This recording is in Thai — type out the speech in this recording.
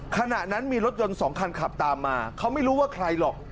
ขณะนั้นมีรถยนต์๒คันขับตามมาเขาไม่รู้ว่าใครหรอก